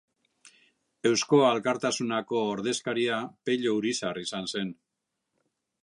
Eusko Alkartasunako ordezkaria Pello Urizar izan zen.